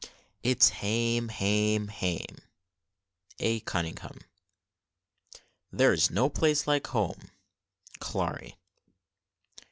"It's hame, hame, hame." A. CUNNINGHAM. "There's no place like home." CLARI.